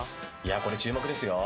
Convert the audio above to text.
これ、注目ですよ。